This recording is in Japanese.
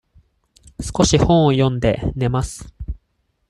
少し本を読んで、寝ます。